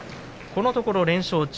このところ連勝中